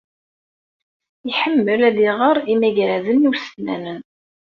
Iḥemmel ad iɣer imagraden ussnanen.